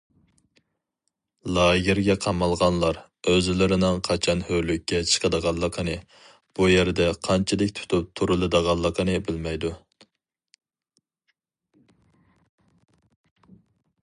لاگېرغا قامالغانلار ئۆزلىرىنىڭ قاچان ھۆرلۈككە چىقىدىغانلىقىنى ، بۇ يەردە قانچىلىك تۇتۇپ تۇرۇلىدىغانلىقىنى بىلمەيدۇ .